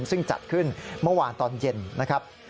ซึ่งจัดขึ้นเมื่อวานตอนเย็นนะครับ